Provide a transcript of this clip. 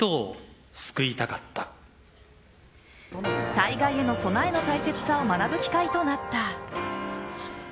災害への備えの大切さを学ぶ機会となった。